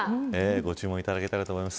ご注文いただけたらと思います。